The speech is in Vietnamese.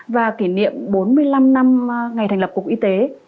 và kỷ niệm bốn mươi năm năm ngày thành lập cục y tế